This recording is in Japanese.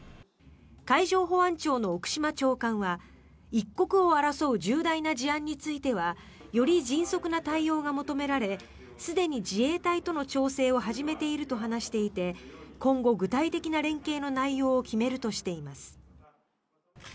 海上保安庁の奥島長官は一刻を争う重大な事案についてはより迅速な対応が求められすでに自衛隊との調整を始めていると話していて今後、具体的な連携の内容を決めるとしています。